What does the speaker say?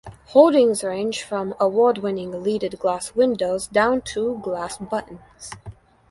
Holdings range from award-winning leaded-glass windows down to glass buttons.